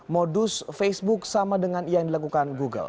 modus facebook sama dengan yang dilakukan google